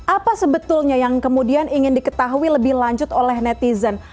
apa sebetulnya yang kemudian ingin diketahui lebih lanjut oleh netizen